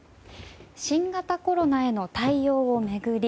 新型コロナへの対応を巡り